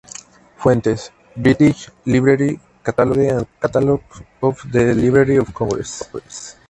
Fuentes: British Library Catalogue and Catalog of the Library of Congress.